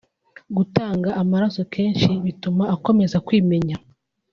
Gutanga amaraso kenshi bituma akomeza kwimenya